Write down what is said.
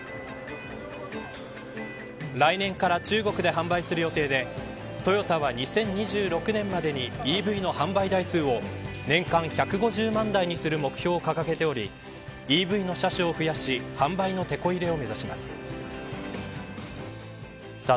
来年から中国で販売する予定でトヨタは２０２６年までにＥＶの販売台数を年間１５０万台にする目標を掲げておりＥＶの車種を増やし販売のてこ入れを目指します。